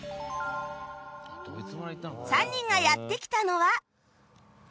３人がやって来たのは